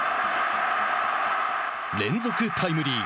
連続タイムリー。